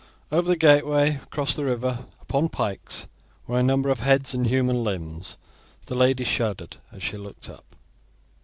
Over the gateway across the river, upon pikes, were a number of heads and human limbs. The lady shuddered as she looked up.